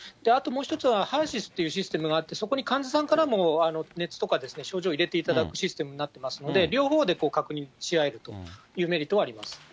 あともう一つはＨＥＲーＳＹＳというシステムがあって、そこに患者さんからも熱とか症状を入れていただくシステムになってますので、両方で確認し合えるというメリットはあります。